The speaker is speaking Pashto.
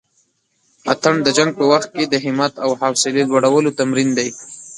اتڼ د جنګ په وخت کښې د همت او حوصلې لوړلو تمرين دی.